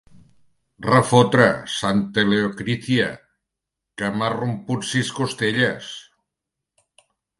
Refotre! Santa Leocrícia! Que m'ha romput sis costelles!